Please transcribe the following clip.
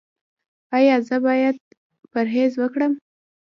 ایا زه باید پرهیز وکړم؟